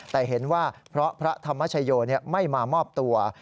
แต่เห็นว่าเพราะพระธรรมชโยไม่มามอบตัว